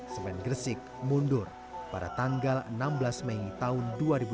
semen gresik mundur pada tanggal enam belas mei tahun dua ribu dua puluh